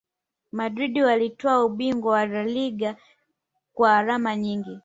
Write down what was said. madrid walitwaa ubingwa wa laliga kwa alama nyingi